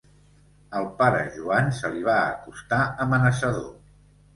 El pare Joan se li va acostar amenaçador.